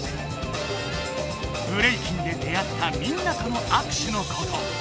ブレイキンで出会ったみんなとのあく手のこと。